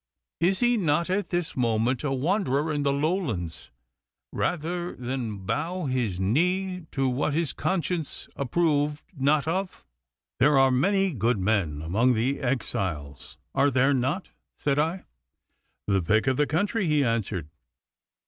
Is he not at this moment a wanderer in the Lowlands, rather than bow his knee to what his conscience approved not of?' 'There are many good men among the exiles, are there not?' said I. 'The pick of the country,' he answered.